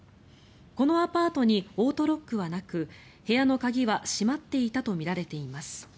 このアパートにオートロックはなく部屋の鍵は閉まっていたとみられています。